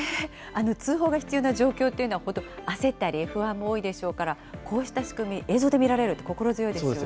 通報が必要な状況というのは、本当焦ったり、不安も多いでしょうから、こうした仕組み、映像で見られると、心強いですよね。